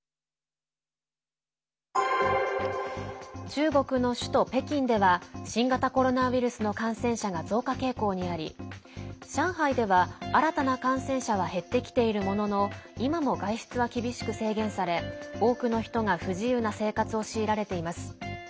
中国の首都・北京では新型コロナウイルスの感染者が増加傾向にあり上海では、新たな感染者は減ってきているものの今も外出は厳しく制限され多くの人が不自由な生活を強いられています。